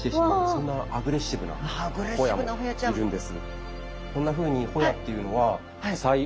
そんなアグレッシブなホヤもいるんです。